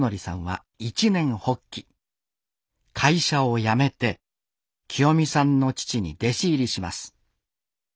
会社を辞めてきよ美さんの父に弟子入りします